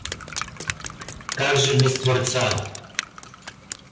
Как же без Творца?